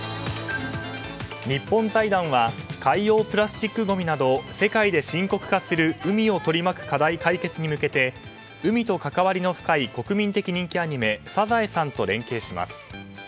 日本財団は海洋プラスチックごみなど世界で深刻化する海を取り巻く課題解決に向けて海と関わりの深い国民的人気アニメ「サザエさん」と連携します。